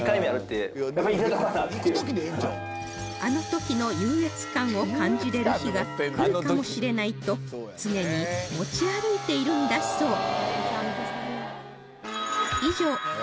あの時の優越感を感じれる日が来るかもしれないと常に持ち歩いてるんだそう